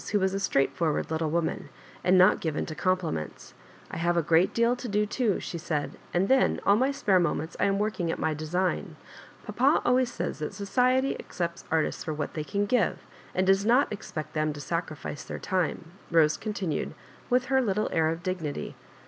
who was a straightforward little woman, and not given to compliments. " I have a great deal to do too," she said, •* and then all my spare moments I am working at my design. Papa always says that society accepts artists for what they can give, and does not ex pect them to sacrifice their time," Bose con tinued, with her little air of dignity.